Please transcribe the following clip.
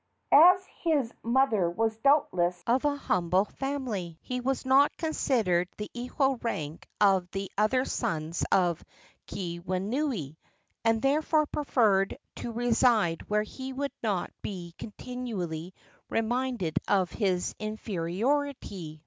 As his mother was doubtless of an humble family, he was not considered the equal in rank of the other sons of Keawenui, and therefore preferred to reside where he would not be continually reminded of his inferiority.